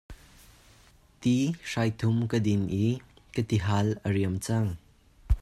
Ti hrai thum ka din i ka tihal a riam cang.